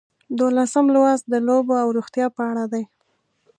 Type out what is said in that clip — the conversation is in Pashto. دولسم لوست د لوبو او روغتیا په اړه دی.